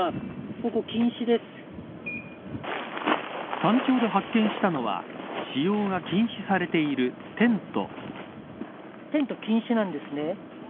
山頂で発見したのは使用が禁止されているテント。